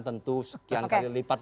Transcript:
tentu sekian kali lipat